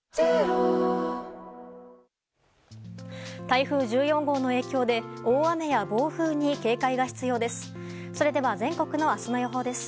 台風１４号の影響で大雨や暴風に警戒が必要です。